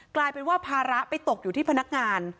กลายเป็นว่าภาระไปตกอยู่ที่พนักงาน